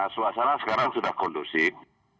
suasana sekarang sudah kondusif